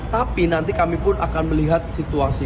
tapi nanti kami pun akan melihat situasi